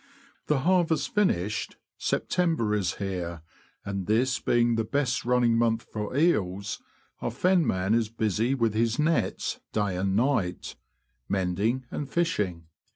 The harvest finished, September is here, and this being the best running month for eels, our fenman is busy with his nets day and night — mending and fishing.